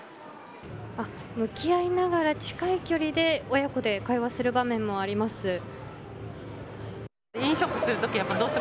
向き合いながら近い距離で親子で会話する場面もあります。